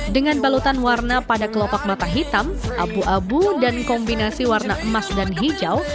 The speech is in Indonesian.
dengan balutan warna pada kelopak mata hitam abu abu dan kombinasi warna emas dan hijau